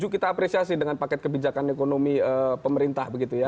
kita apresiasi dengan paket kebijakan ekonomi pemerintah